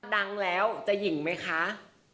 ดังแล้วจะหยิ่งมั้ยคะ